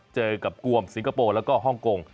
เจอกับกวมสิงคโปร์แล้วก็ฮ่องกง